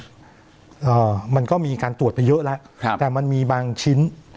อ่ามันก็มีการตรวจไปเยอะแล้วครับแต่มันมีบางชิ้น